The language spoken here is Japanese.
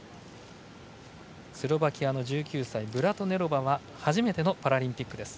スロバキアの１９歳ブラトネロバは初めてのパラリンピックです。